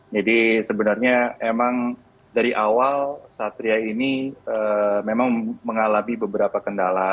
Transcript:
jadi sebenarnya emang dari awal satria ini memang mengalami beberapa kendala